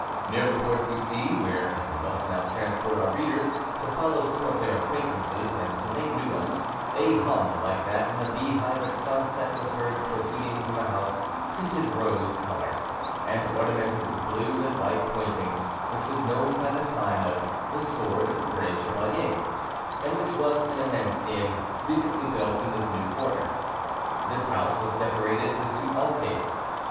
Near the Porte Bussy, where we must now transport our readers, to follow some of their acquaintances, and to make new ones, a hum, like that in a bee hive at sunset, was heard proceeding from a house tinted rose color, and ornamented with blue and white pointings, which was known by the sign of "The Sword of the Brave Chevalier," and which was an immense inn, recently built in this new quarter. This house was decorated to suit all tastes.